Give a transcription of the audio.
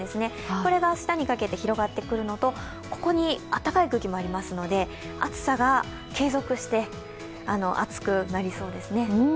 これが明日にかけて広がってくるのとここに暖かい空気もありますので暑さが継続して暑くなりそうですね。